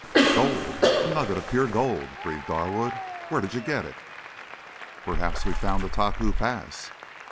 "Gold! A nugget of pure gold," breathed Darwood. "Where did you get it?" "Perhaps we found the Taku Pass."